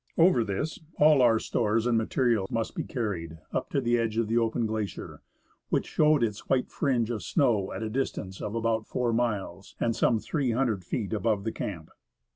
Over this, all our stores and material must be carried, up to the edge of the open glacier, which showed its white fringe of snow at a distance of about four miles, and some 300 feet above 'the camp.